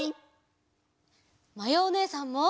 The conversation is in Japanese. まやおねえさんも！